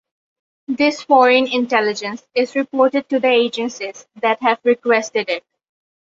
This "foreign intelligence" is reported to the agencies that have requested it.